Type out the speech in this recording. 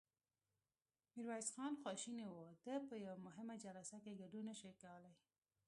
ميرويس خان خواشينی و، ده په يوه مهمه جلسه کې ګډون نه شوای کولای.